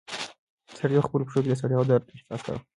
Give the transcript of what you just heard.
سړی په خپلو پښو کې د ستړیا او درد احساس کاوه.